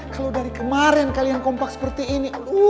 kalau dari kemarin kalian kompak seperti ini